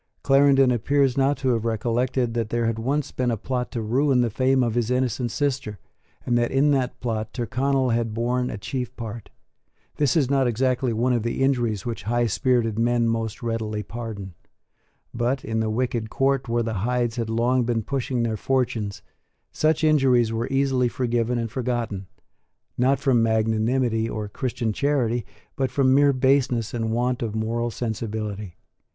Clarendon appears not to have recollected that there had once been a plot to ruin the fame of his innocent sister, and that in that plot Tyrconnel had borne a chief part. This is not exactly one of the injuries which high spirited men most readily pardon. But, in the wicked court where the Hydes had long been pushing their fortunes, such injuries were easily forgiven and forgotten, not from magnanimity or Christian charity, but from mere baseness and want of moral sensibility.